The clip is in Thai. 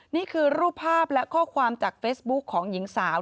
นี่คือรูปภาพและข้อความจากเฟซบุ๊คของหญิงสาว